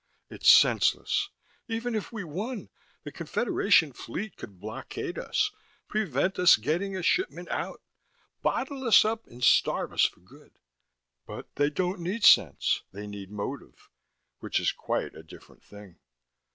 It's senseless: even if we won, the Confederation fleet could blockade us, prevent us getting a shipment out, bottle us up and starve us for good. But they don't need sense, they need motive, which is quite a different thing.